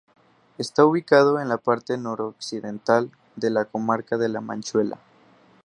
Está ubicado en la parte noroccidental de la comarca de La Manchuela.